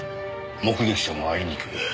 目撃者もあいにく。